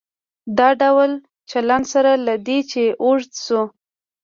دا ډول چلن سره له دې چې اوږد شو.